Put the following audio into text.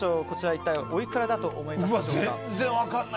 こちら、一体おいくらだと思いますか？